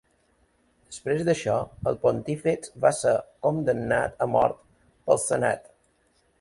Després d'això el pontífex va ser condemnat a mort pel senat.